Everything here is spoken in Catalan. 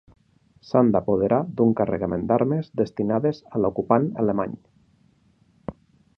S'han d'apoderar d'un carregament d'armes destinades a l'ocupant alemany.